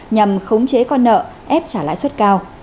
nhằm khống chế con nợ ép trả lãi suất cao